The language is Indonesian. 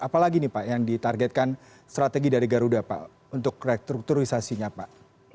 apalagi nih pak yang ditargetkan strategi dari garuda pak untuk restrukturisasinya pak